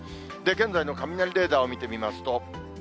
現在の雷レーダーを見てみますと。